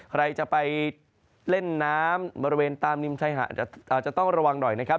ใครจะไปเล่นน้ำบริเวณตามริมชายหาดอาจจะต้องระวังหน่อยนะครับ